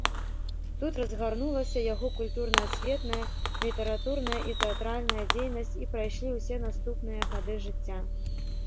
Тут разгарнулася яго культурна-асветная, літаратурная і тэатральная дзейнасць і прайшлі ўсе наступныя гады жыцця.